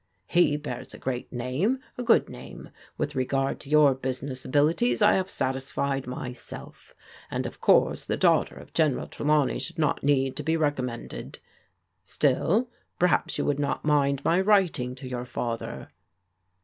" He bears a great name, a good name ; with regard to your business abilities I have satisfied myself; and, of course, the daughter of General Trelawney should not need to be recommended. Still — ^perhaps you would not mind my writing to your father